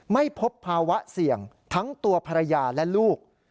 ไม่พบภาวะเสี่ยงทั้งตัวภรรยาและลูก